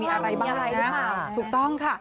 โอ้โฮ